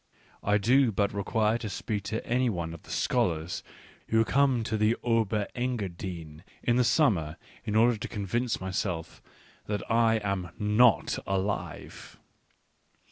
I do but require to speak to any one of the scholars who come to the Ober Engadine in the summer in order to convince myself that I am not alive.